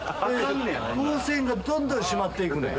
風船がどんどん締まって行くねん。